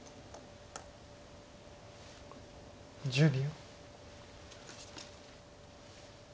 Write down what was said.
１０秒。